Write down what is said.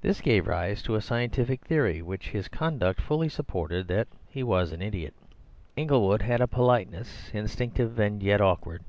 This gave rise to a scientific theory (which his conduct fully supported) that he was an idiot. Inglewood had a politeness instinctive and yet awkward.